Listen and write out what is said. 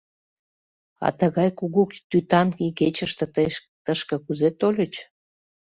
— А тыгай кугу тӱтанан игечыште тый тышке кузе тольыч?